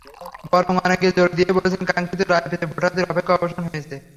বরং অনেকে জোর দিয়েই বলেছেন, কাঙ্ক্ষিত রায় পেতে ভোটারদের অপেক্ষার অবসান হয়েছে।